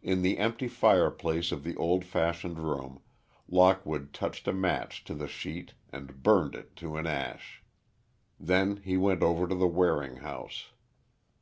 In the empty fireplace of the old fashioned room, Lockwood touched a match to the sheet and burned it to an ash. Then he went over to the Waring house.